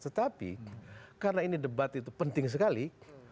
tetapi karena ini debat itu penting sekali